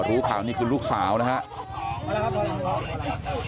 รู้ข่าวนี่คือลูกสาวนะครับ